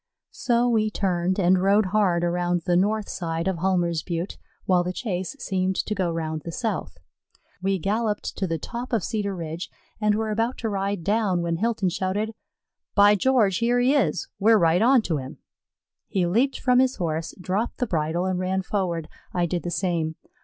So we turned and rode hard around the north side of Hulmer's Butte, while the chase seemed to go round the south. We galloped to the top of Cedar Ridge and were about to ride down, when Hilton shouted, "By George, here he is! We're right onto him." He leaped from his Horse, dropped the bridle, and ran forward. I did the same.